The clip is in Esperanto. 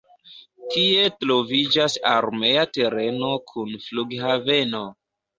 Tie troviĝas armea tereno kun flughaveno.